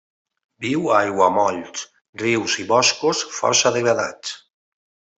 Viu a aiguamolls, rius i boscos força degradats.